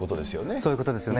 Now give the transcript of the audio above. そういうことですよね。